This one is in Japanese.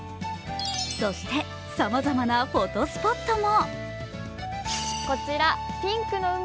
そして、さまざまなフォトスポットも。